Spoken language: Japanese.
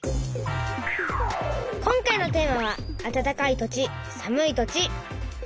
今回のテーマは「あたたかい土地さむい土地」。